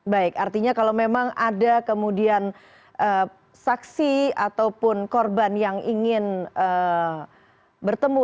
baik artinya kalau memang ada kemudian saksi ataupun korban yang ingin bertemu